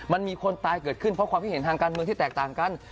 มันมีคนตายเกิดขึ้นเพราะความคิดเห็นทางการเมืองที่แตกต่างกัน